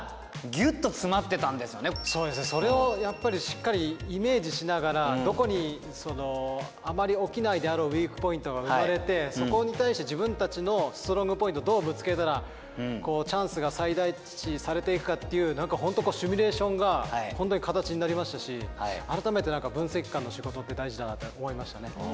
そうですねそれをやっぱりしっかりイメージしながらどこにあまり起きないであろうウイークポイントが生まれてそこに対して自分たちのストロングポイントをどうぶつけたらチャンスが最大値にされていくかっていう何かホントシミュレーションがホントに形になりましたし改めて分析官の仕事って大事だなと思いましたね。